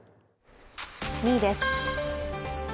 ２位です。